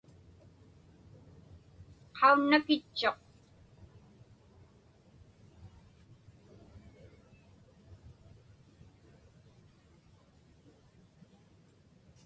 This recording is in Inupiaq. Qaunnakitchuq.